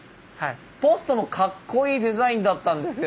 ポストもかっこいいデザインだったんですよ